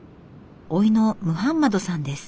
甥のムハンマドさんです。